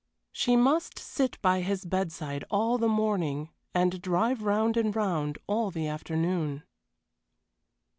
She must sit by his bedside all the morning, and drive round and round all the afternoon.